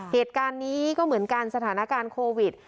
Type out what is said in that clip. เหตุการณ์นี้ก็เหมือนกันสถานการณ์โควิด